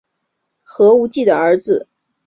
何无忌的儿子。